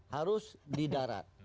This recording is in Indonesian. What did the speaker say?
harus di darat